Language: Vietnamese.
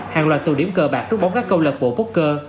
hàng loạt tù điểm cờ bạc rút bóng các công lập bộ poker